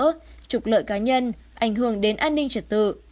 trục lợi cá nhân ảnh hưởng đến an ninh trật tự